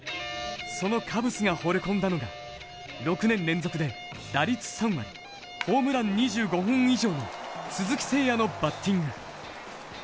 そのカブスがほれ込んだのが６年連続で打率３割ホームラン２５本以上の鈴木誠也のバッティング。